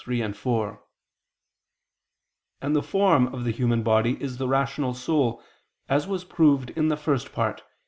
3, 4): and the form of the human body is the rational soul, as was proved in the First Part (Q.